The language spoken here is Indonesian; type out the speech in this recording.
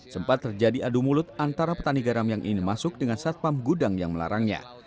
sempat terjadi adu mulut antara petani garam yang ingin masuk dengan satpam gudang yang melarangnya